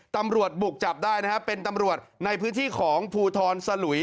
ตำรวจบุกจับได้นะครับเป็นตำรวจในพื้นที่ของภูทรสลุย